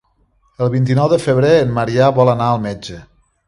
El vint-i-nou de febrer en Maria vol anar al metge.